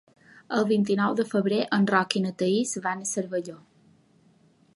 El vint-i-nou de febrer en Roc i na Thaís van a Cervelló.